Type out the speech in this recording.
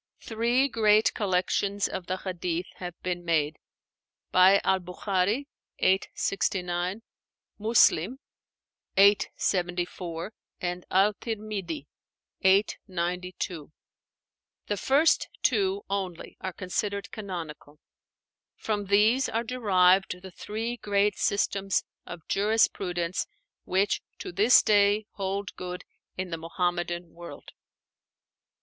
Three great collections of the 'Hadíth' have been made: by al Buchári (869), Múslim (874), and al Tirmídhi (892). The first two only are considered canonical. From these are derived the three great systems of jurisprudence which to this day hold good in the Muhammadan world.